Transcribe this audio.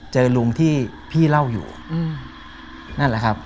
เจอลุงที่พี่เล่าอยู่นั่นแหละครับ